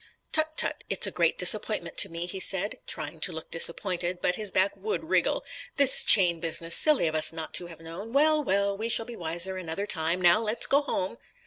"Tut, tut, it's a great disappointment to me," he said, trying to look disappointed, but his back would wriggle. "This chain business silly of us not to have known well, well, we shall be wiser another time. Now let's go home."